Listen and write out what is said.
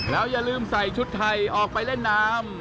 แล้วอย่าลืมใส่ชุดไทยออกไปเล่นน้ำ